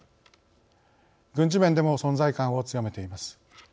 軍事面でも存在感を強めています。